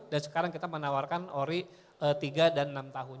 dan sekarang kita menawarkan ory tiga dan enam tahun